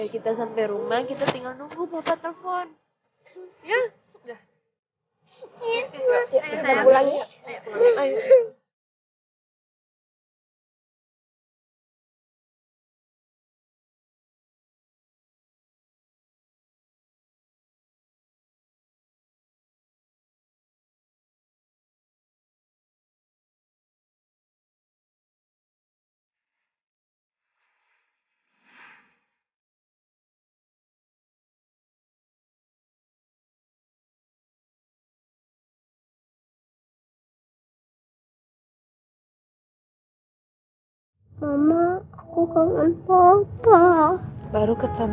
assalamualaikum warahmatullahi wabarakatuh